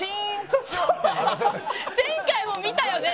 前回も見たよね？